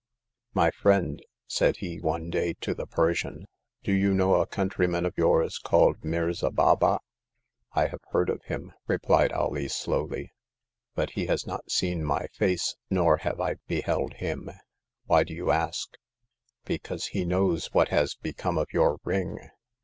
My friend," said he one day to the Persian, do you know a countryman of yours called Mirza Baba ?" I have heard of him," replied Alee, slowly, but he has not seen my face, nor have I beheld him. Why do you ask ?*'Because he knows what has become of your ring."